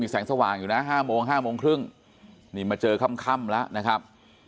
แสงสว่างอยู่นะ๕โมง๕โมงครึ่งนี่มาเจอค่ำแล้วนะครับ